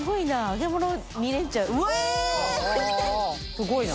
すごいな。